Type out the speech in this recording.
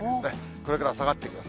これから下がっていきます。